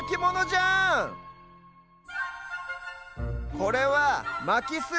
これは「まきす」。